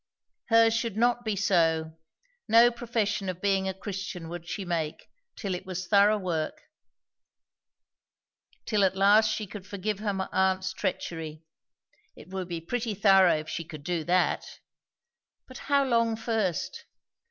Hers should not be so; no profession of being a Christian would she make, till it was thorough work; till at last she could forgive her aunt's treachery; it would be pretty thorough if she could do that! But how long first?